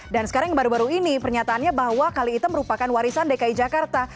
dan sekarang yang baru baru ini pernyataannya bahwa kali itu merupakan warisan dki jakarta